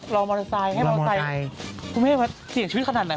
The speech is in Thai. มอเตอร์ไซค์ให้มอเตอร์ไซค์คุณแม่มาเสี่ยงชีวิตขนาดไหน